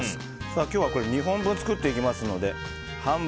今日は２本分作っていきますので半分。